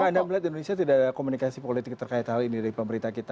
tapi anda melihat indonesia tidak ada komunikasi politik terkait hal ini dari pemerintah kita